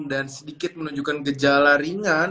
dan sedikit menunjukkan gejala ringan